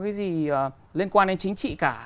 cái gì liên quan đến chính trị cả